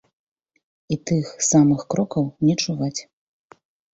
І тых самых крокаў не чуваць.